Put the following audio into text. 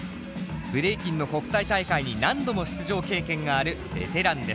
ブレイキンの国際大会に何度も出場経験があるベテランです。